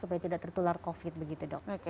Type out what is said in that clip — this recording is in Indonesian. supaya tidak tertular covid begitu dok